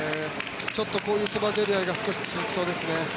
ちょっとこういうつばぜり合いが続きそうですね。